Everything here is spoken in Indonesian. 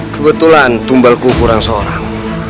kebetulan tumbal ku kurang seorang